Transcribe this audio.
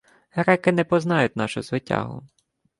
— Греки не познають нашу звитягу.